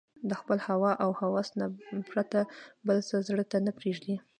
له خپل هوى او هوس نه پرته بل څه زړه ته نه پرېږدي